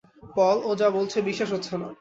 পল, ও যা বলছে বিশ্বাস হচ্ছে না।